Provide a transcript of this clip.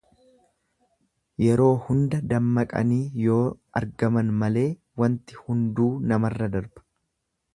Yeroo hunda dammaqanii yoo argaman malee wanti hunduu namarra darba.